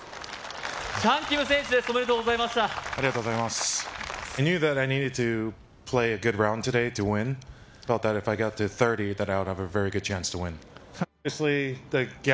チャン・キム選手ですおめでとうございました。